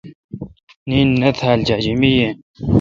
نین نہ تھال جاجمے یین۔